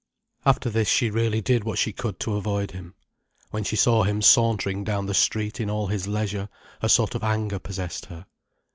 After this she really did what she could to avoid him. When she saw him sauntering down the street in all his leisure, a sort of anger possessed her.